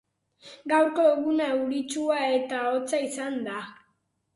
Gaurko eguna euritsua eta hotza izan da